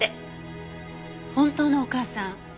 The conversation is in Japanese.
本当のお母さん